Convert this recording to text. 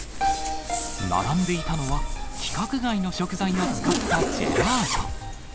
並んでいたのは、規格外の食材を使ったジェラート。